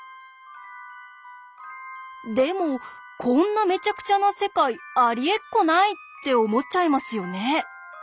でも「こんなめちゃくちゃな世界ありえっこない！」って思っちゃいますよね？